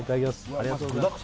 ありがとうございます